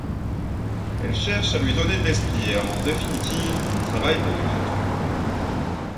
Elle cherche à lui donner de l’esprit et, en définitive, travaille pour une autre.